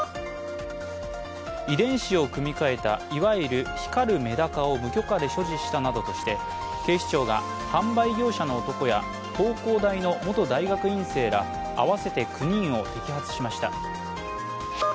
遺伝子を組み換えたいわゆる光るメダカを無許可で所持したとして警視庁が販売業者の男や東工大の元大学院生ら合わせて９人を摘発しました。